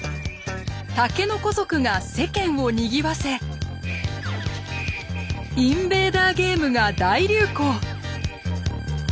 竹の子族が世間をにぎわせインベーダーゲームが大流行。